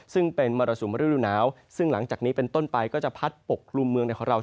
ซึ่งเป็นมรสุมฤดูหนาวซึ่งหลังจากนี้เป็นต้นไปก็จะพัดปกกลุ่มเมืองในของเรา